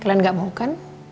kalian gak mau kan